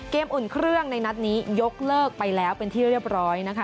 อุ่นเครื่องในนัดนี้ยกเลิกไปแล้วเป็นที่เรียบร้อยนะคะ